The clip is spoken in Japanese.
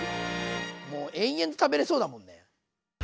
もう延々と食べれそうだもんね。